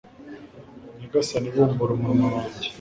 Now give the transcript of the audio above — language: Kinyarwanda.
Nyagasani bumbura umunwa wanjye